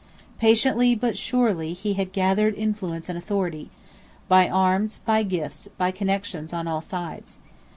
Patiently but surely he had gathered influence and authority, by arms, by gifts, by connections on all sides.